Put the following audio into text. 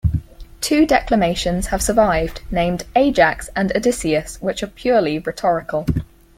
Two declamations have survived, named "Ajax" and "Odysseus", which are purely rhetorical.